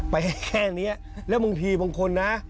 แค่นี้แล้วบางทีบางคนนะ